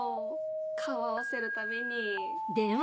顔合わせるたびに。